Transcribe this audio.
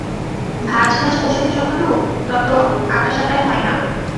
ভাঁজ ভাঁজ পোষাকে যত রূপ, তত আঁটাসাটায় হয় না।